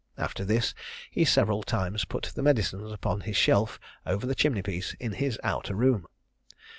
After this he several times put the medicines upon his shelf over the chimney piece in his outer room.